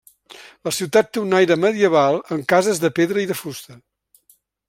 La ciutat té un aire medieval amb cases de pedra i de fusta.